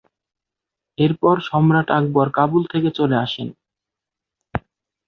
এরপর সম্রাট আকবর কাবুল থেকে চলে আসেন।